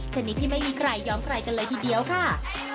ชนิดที่ไม่มีใครยอมใครกันเลยทีเดียวค่ะ